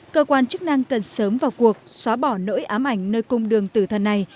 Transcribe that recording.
cơ quan chức năng cần sớm vào cuộc xóa bỏ nỗi ám ảnh nơi cung đường tử thần này